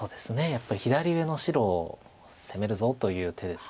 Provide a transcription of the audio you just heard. やっぱり左上の白を攻めるぞという手です。